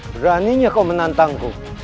beraninya kau menantangku